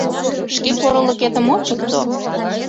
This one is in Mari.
— Шке порылыкетым ончыкто.